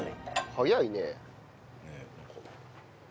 早いね。